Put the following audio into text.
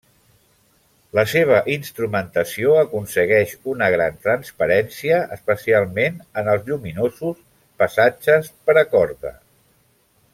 La seva instrumentació aconsegueix una gran transparència, especialment en els lluminosos passatges per a corda.